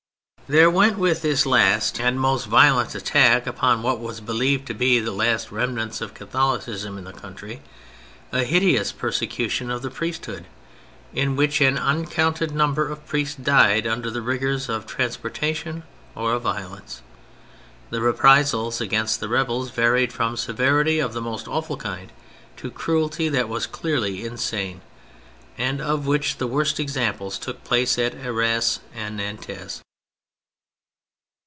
There went with this the last and most THE PHASES 137 violent attack upon what was believed to be the last remnants of Catholicism in the country, a hideous persecution of the priest hood, in which an uncounted number of priests died under the rigours of transporta tion or of violence. The reprisals against the rebels varied from severity of the most awful kind to cruelty that was clearly insane, and of which the worst examples took place at Arras and at Nantes.